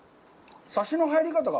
サシの入り方が。